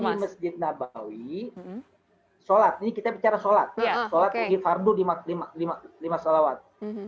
di masjid nabawi sholat ini kita bicara sholat id fardu lima salawat